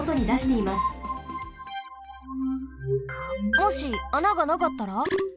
もし穴がなかったら？